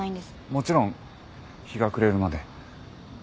もちろん日が暮れるまで。